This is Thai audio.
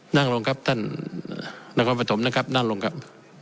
นั่งลงครับท่านนครปฐมนะครับนั่งลงครับ